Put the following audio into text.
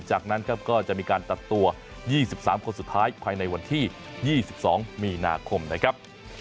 จากนั้นครับก็จะมีการตัดตัว๒๓คนสุดท้ายภายในวันที่๒๒มีนาคมนะครับ